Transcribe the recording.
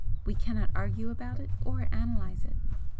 We cannot argue about it or analyse it.